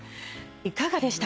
いかがでしたか？